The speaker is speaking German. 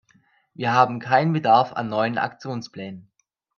Wir haben keinen Bedarf an neuen Aktionsplänen.